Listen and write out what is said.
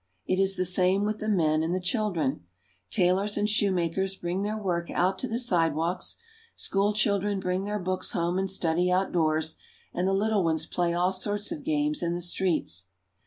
It is the same with the men and the children. Tailors and shoemakers bring their work out to the sidewalks, school children bring their books home and study out doors, and the little ones play all sorts of games in the streets.